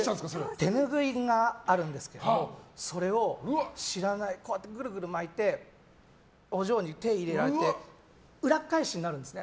手拭いがあるんですけどそれをぐるぐる巻いてお嬢に手を入れられて裏返しになるんですね。